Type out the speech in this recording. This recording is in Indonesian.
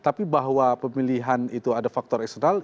jadi bahwa pemilihan itu ada faktor eksternal